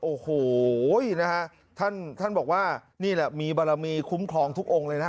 โอ้โหนะฮะท่านท่านบอกว่านี่แหละมีบารมีคุ้มครองทุกองค์เลยนะ